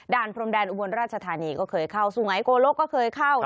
พรมแดนอุบลราชธานีก็เคยเข้าสุงัยโกลกก็เคยเข้า